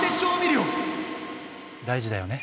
大事だよね。